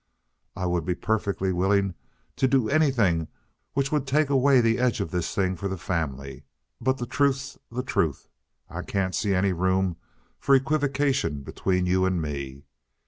"I would be perfectly willing to do anything which would take away the edge of this thing for the family, but the truth's the truth, and I can't see any room for equivocation between you and me.